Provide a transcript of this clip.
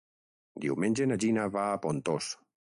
Diumenge na Gina va a Pontós.